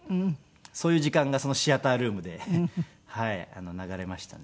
そういう時間がそのシアタールームで流れましたね。